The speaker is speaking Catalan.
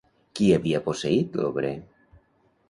Qui havia posseït l'obrer?